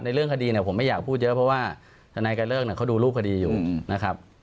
เรื่องคดีเนี่ยผมไม่อยากพูดเยอะเพราะว่าธนายการเลิกเนี่ยเขาดูรูปคดีอยู่นะครับ